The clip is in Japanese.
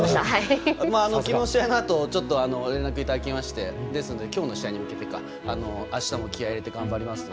きのうの試合のあと連絡いただきましてきょうの試合に向けてあしたも気合い入れて頑張りますと。